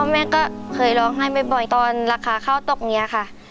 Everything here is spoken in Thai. แม่ก็เคยร้องไห้บ่อยตอนราคาข้าวตกอย่างนี้ค่ะ